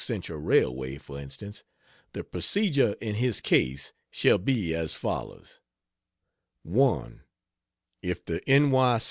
Central Railway, for instance the procedure in his case shall be as follows: 1. If the N. Y.